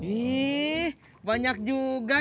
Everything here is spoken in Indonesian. ih banyak juga ya